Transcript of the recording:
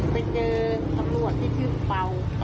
ไปเจอตำรวจที่ชื่อเป่า